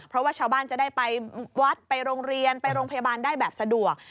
เพราะว่าชาวบ้านจะได้ไปวัดไปโรงเรียนไปโรงพยาบาลได้แบบสะดวก